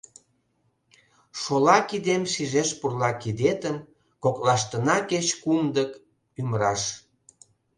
Шола кидем шижеш пурла кидетым, Коклаштына кеч кумдык — ӱмыраш.